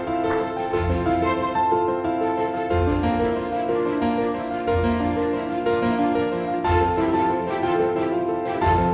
saat kita berjumpa